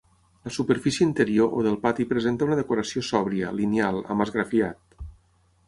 La superfície interior o del pati presenta una decoració sòbria, lineal, amb esgrafiat.